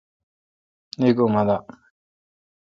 نیکھ اُما دا۔